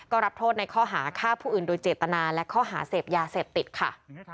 ก็รับโทษในข้อหาฆ่าผู้อื่นโดยเจตนาและข้อหาเสพยาเสพติดค่ะ